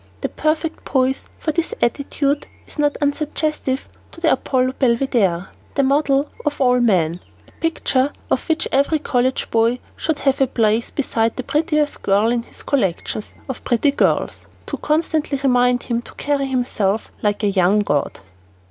The perfect poise of his attitude is not unsuggestive of the Apollo Belvedere the model for all men a picture of which every college boy should have to place beside the prettiest girl in his collection of pretty girls, to constantly remind him to carry himself like a young god.